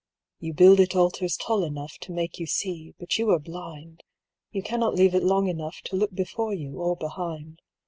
"You build it altars tall enough To make you see, but you are blind; You cannot leave it long enough To look before you or behind.